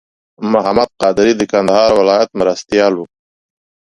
محمد قادري د کندهار ولایت مرستیال و.